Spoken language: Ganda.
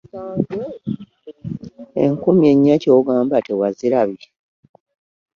Enkumi ennya ky'ogamba tewazirabye?